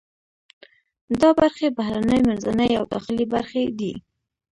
دا برخې بهرنۍ، منځنۍ او داخلي برخې دي.